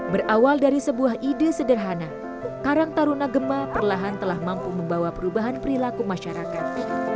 berawal dari sebuah ide sederhana karang taruna gemah perlahan telah mampu membawa perubahan perilaku masyarakat